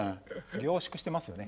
凝縮してますよね。